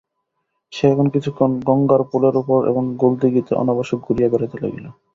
সে এখন কিছুদিন গঙ্গার পোলের উপর এবং গোলদিঘিতে অনাবশ্যক ঘুরিয়া বেড়াইতে লাগিল।